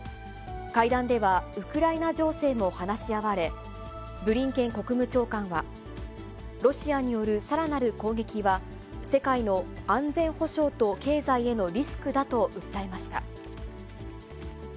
会談では、ウクライナ情勢も話し合われ、ブリンケン国務長官は、ロシアによるさらなる攻撃は、世界の安全保障と経済へのリスクだと訴えました。